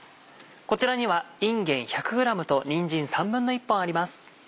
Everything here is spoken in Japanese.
こちらにはいんげん１００ｇとにんじん１／３本あります。